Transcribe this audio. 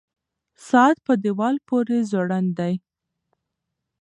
ساعت په دیوال پورې ځوړند دی.